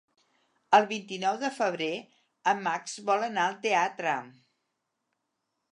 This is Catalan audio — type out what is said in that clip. El vint-i-nou de febrer en Max vol anar al teatre.